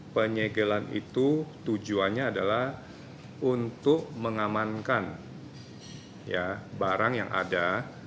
penyegelan itu tujuannya adalah untuk mengamankan barang yang ada